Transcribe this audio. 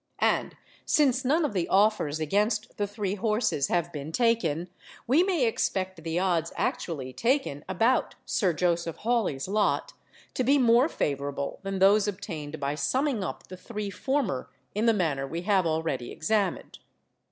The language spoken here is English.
And since none of the offers against the three horses have been taken, we may expect the odds actually taken about 'Sir Joseph Hawley's lot' to be more favourable than those obtained by summing up the three former in the manner we have already examined.